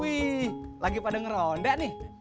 wih lagi pada ngeronda nih